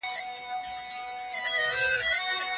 پوهه لرونکې میندې د ماشومانو د روغتیا ساتنه کوي.